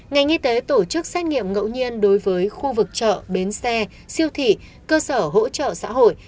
ngành y tế tổ chức xét nghiệm ngẫu nhiên đối với khu vực chợ bến xe siêu thị cơ sở hỗ trợ xã hội